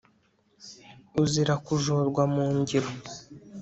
uzira kujorwa mu ngiro